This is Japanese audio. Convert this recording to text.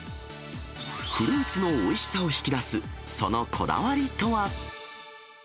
フルーツのおいしさを引き出す、そのこだわりとは。